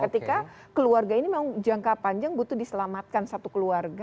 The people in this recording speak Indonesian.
ketika keluarga ini memang jangka panjang butuh diselamatkan satu keluarga